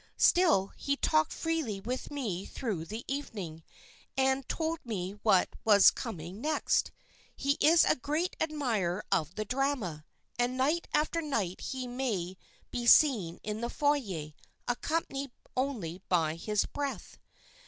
Still, he talked freely with me through the evening, and told me what was coming next. He is a great admirer of the drama, and night after night he may be seen in the foyer, accompanied only by his breath.